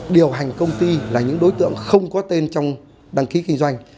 điều hành công ty là những đối tượng không có tên trong đăng ký kinh doanh